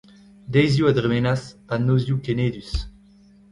Deizioù a dremenas, ha nozioù kenedus.